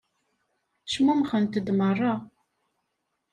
Cmumxent-d meṛṛa.